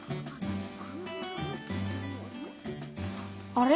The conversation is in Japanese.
あれ？